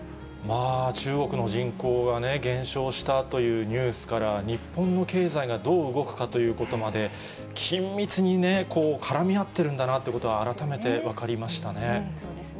中国の人口が減少したというニュースから、日本の経済がどう動くかということまで、緊密に絡み合ってるんだなということは改めて分かりましたね。